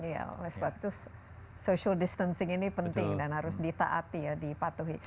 iya oleh sebab itu social distancing ini penting dan harus ditaati ya dipatuhi